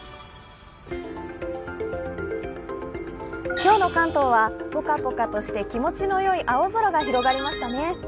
今日の関東はぽかぽかとして気持ちのよい青空が広がりましたね。